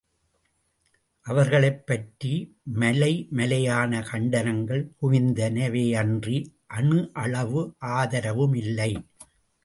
அவர்களைப் பற்றி மலைமலையான கண்டனங்கள் குவிந்தனவேயன்றி, அணுவளவு ஆதரவுமில்லை.